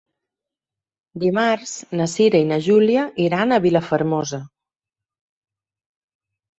Dimarts na Cira i na Júlia iran a Vilafermosa.